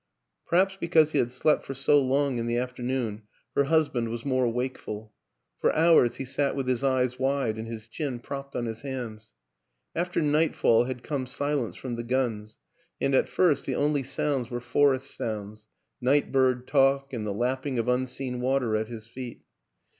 Perhaps because he had slept for so long in the afternoon her husband was more wakeful; for hours he sat with his eyes wide and his chin propped on his hands. After nightfall had come silence from the guns and at first the only sounds were forest sounds night bird talk and the lap ping of unseen water at his feet.